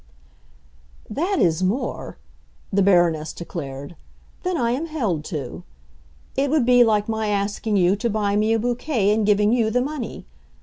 "That is more," the Baroness declared, "than I am held to. It would be like my asking you to buy me a bouquet and giving you the money.